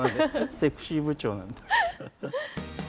セクシー部長なんだ。